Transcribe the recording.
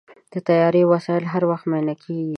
د طیارې وسایل هر وخت معاینه کېږي.